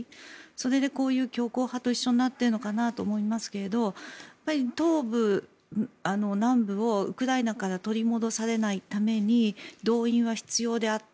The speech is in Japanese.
それでこういう強硬派と一緒になってるのかなと思いますが東部、南部をウクライナから取り戻されないために動員は必要だ。